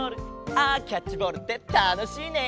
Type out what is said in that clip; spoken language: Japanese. あキャッチボールってたのしいね。